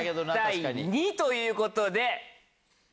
３対２ということで。